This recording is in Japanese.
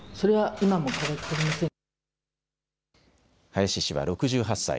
林氏は６８歳。